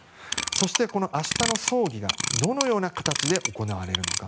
そしてこの明日の葬儀がどのような形で行われるのか。